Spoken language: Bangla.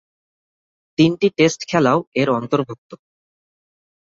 তিনটি টেস্ট খেলাও এর অন্তর্ভুক্ত।